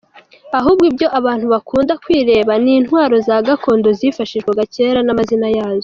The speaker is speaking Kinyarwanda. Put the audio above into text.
Ahubwo ibyo abantu bakunda kwirebera ni intwaro za gakondo zifashishwaga cyera, n’amazina yazo.